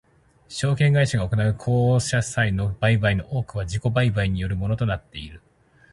証券会社が行う公社債の売買の多くは自己売買によるものとなっている。